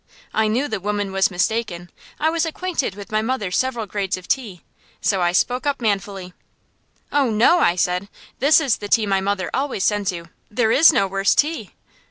I knew the woman was mistaken. I was acquainted with my mother's several grades of tea. So I spoke up manfully. "Oh, no," I said; "this is the tea my mother always sends you. There is no worse tea."